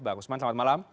bang usman selamat malam